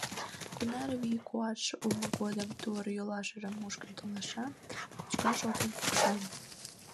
Кунар вий-куатше улмо годым тувыр-йолашыжым мушкын толаша, кочкаш шолтен пукша.